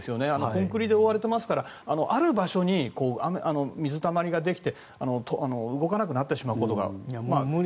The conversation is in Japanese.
コンクリで覆われていますからある場所に水たまりができて動かなくなってしまうことが。